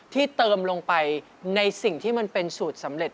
ที่เติมลงไปในสิ่งที่มันเป็นสูตรสำเร็จ